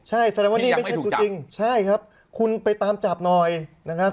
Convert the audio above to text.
ใช่แสดงว่าจริงใช่ครับคุณไปตามจับหน่อยนะครับ